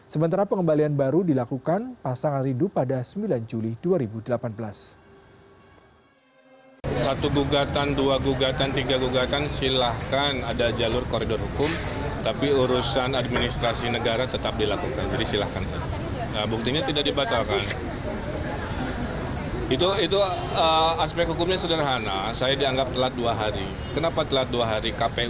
sementara pengembalian baru dilakukan pasangan ridu pada sembilan juli dua ribu delapan belas